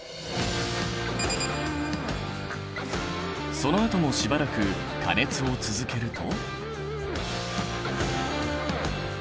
そのあともしばらく加熱を続けると。